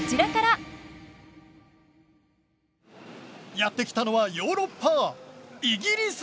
やって来たのはヨーロッパイギリス！